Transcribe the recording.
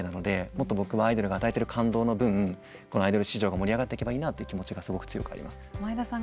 もっと僕はアイドルが与えている感動の分アイドル市場が盛り上がっていけばいいなという気持ちが強くあります。